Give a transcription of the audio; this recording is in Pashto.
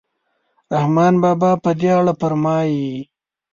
رحمان بابا په دې اړه فرمایي.